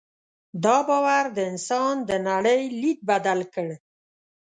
دا باور د انسان د نړۍ لید بدل کړ.